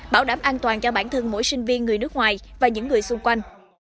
bảo đảm an toàn cho bản thân mỗi sinh viên người nước ngoài và những người xung quanh